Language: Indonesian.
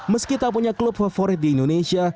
meski tak punya klub favorit di indonesia